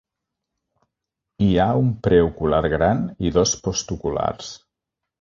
Hi ha un preocular gran i dos postoculars.